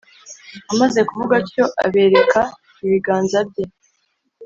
Amaze kuvuga atyo abereka ibiganza bye